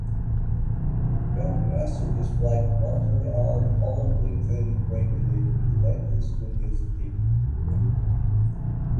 Buckmaster disliked modern art, publicly denigrating it in letters to a newspaper.